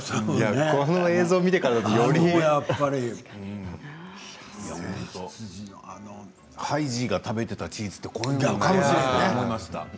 この映像を見てからだと、より。ハイジが食べていたチーズはこんななのかなと思いました。